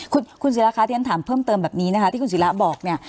คุณคุณศิราคะที่ฉันถามเพิ่มเติมแบบนี้นะคะที่คุณศิราบอกเนี่ย